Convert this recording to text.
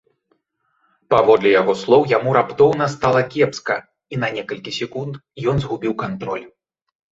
Паводле яго слоў, яму раптоўна стала кепска і на некалькі секунд ён згубіў кантроль.